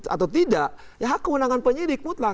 atau tidak ya kewenangan penyidik mutlak